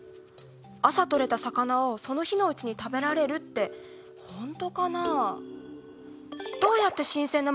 朝とれた魚をその日のうちに食べられるってほんとかな？